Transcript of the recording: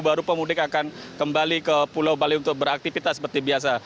baru pemudik akan kembali ke pulau bali untuk beraktivitas seperti biasa